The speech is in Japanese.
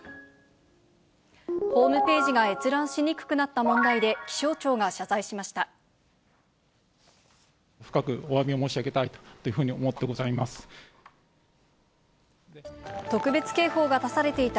ホームページが閲覧しにくくなった問題で、気象庁が謝罪しました。